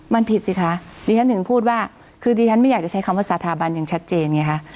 มันผิดสิคะดิฉันถึงพูดว่าคือดิฉันไม่อยากจะใช้คำว่าสถาบันอย่างชัดเจนไงคะ